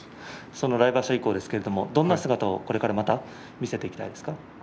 その来場所以降ですけれどもどんな姿をこれからまた見せていきたいですか。